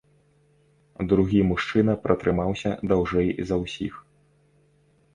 Другі мужчына пратрымаўся даўжэй за ўсіх.